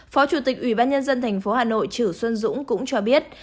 phó chủ tịch ủy ban nhân dân thành phố hà nội chử xuân dũng cũng cho biết